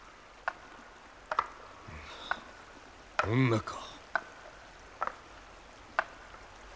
女か。